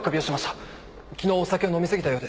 昨日お酒を飲み過ぎたようです。